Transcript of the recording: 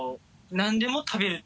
何でも食べる？